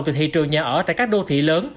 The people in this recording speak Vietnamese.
từ thị trường nhà ở tại các đô thị lớn